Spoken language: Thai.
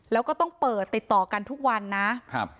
แล้วก็ต้องเปิดติดต่อกันทุกวันนะครับ